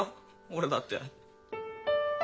俺だって。